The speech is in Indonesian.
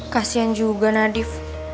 kasian juga nadif